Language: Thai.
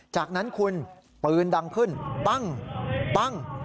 จากนั้นคุณปืนดังขึ้นปั้งปั้ง